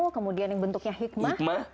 kemudian yang bentuknya hikmah